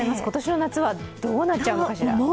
今年の夏はどうなっちゃうのかしら。